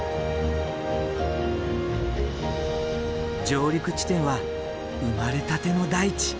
上陸地点は生まれたての大地